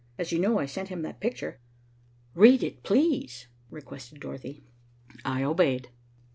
As you know, I sent him that picture." "Read it, please," requested Dorothy. I obeyed.